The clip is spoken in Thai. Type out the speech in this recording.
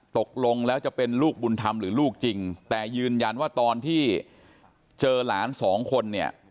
ตกลงแล้วจะเป็นลูกบุญธรรมหรือลูกจริงแต่ยืนยันว่าตอนที่เจอหลานสองคนเนี่ย